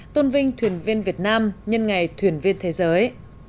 tôn vinh thuyền viên việt nam nhân ngày thuyền viên thế giới